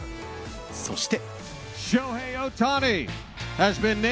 そして。